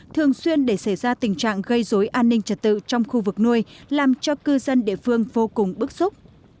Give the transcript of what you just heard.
thường xuyên để xảy ra tình trạng gây dối an ninh trật tự trong khu vực nuôi làm cho cư dân địa phương vô cùng bức xúc